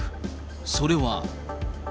それは。